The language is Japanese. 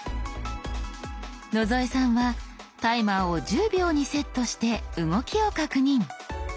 野添さんはタイマーを１０秒にセットして動きを確認。